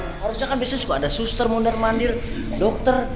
orang orang kan biasanya suka ada suster mundur mandir dokter